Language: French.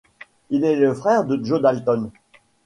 Il est le frère de Jo Dalton.